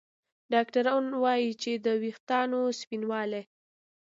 ډاکتران وايي که د ویښتانو سپینوالی